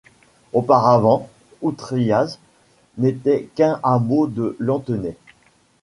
Auparavant, Outriaz n'était qu'un hameau de Lantenay.